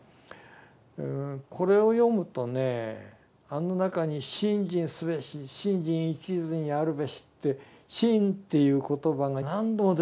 これを読むとねあの中に「信心すべし信心一途にあるべし」って「信」っていう言葉が何度も出てくるんですよ。